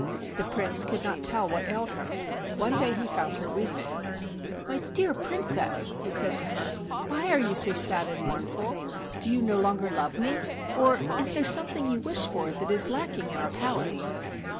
The Prince could not tell what ailed her. One day he found her weeping. "My dear Princess," he said to her, "why are you so sad and mournful ? Do you no longer love me ? Or is there something you wish for that is lacking in our palace